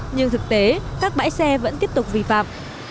nhưng thực tế các bãi xe vẫn tiếp tục vi phạm